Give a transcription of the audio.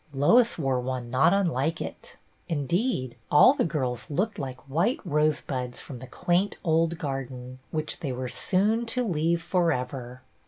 Lois wore one not unlike it. In deed, all the girls looked like white rose buds from the quaint old garden, which they were soon to leave forever.